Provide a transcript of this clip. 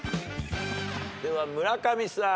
では村上さん。